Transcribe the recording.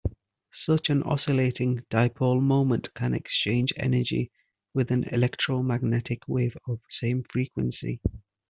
Such an oscillating dipole moment can exchange energy with an electromagnetic wave of same frequency.